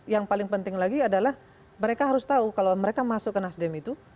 yang paling penting lagi adalah mereka harus tahu kalau mereka masuk ke nasdem itu